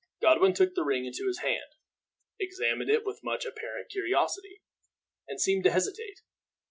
Godwin took the ring into his hand, examined it with much apparent curiosity, and seemed to hesitate.